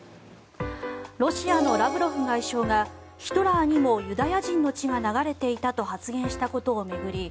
ロシアのラブロフ外相がヒトラーにもユダヤ人の血が流れていたと発言したことを巡り